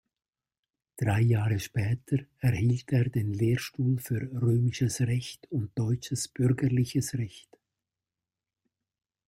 Drei Jahre später erhielt er den Lehrstuhl für Römisches Recht und Deutsches Bürgerliches Recht.